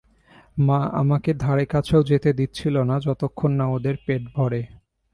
মা আমাকে ধারেকাছেও যেতে দিচ্ছিল না, যতক্ষণ না ওদের পেট ভরে।